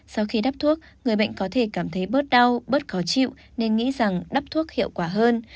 sau khi đắp thuốc người bệnh có thể cảm thấy bớt đau bớt khó chịu nên nghĩ rằng đắp thuốc hiệu quả hơn